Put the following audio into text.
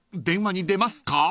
電話に出ますか？］